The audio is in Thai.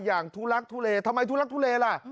อย่างทุลักษณ์ทุเลทำไมทุลักษณ์ทุเลล่ะ